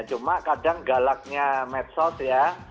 cuma kadang galaknya medsos ya